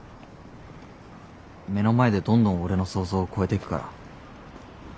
目の前でどんどん俺の想像を超えていくから。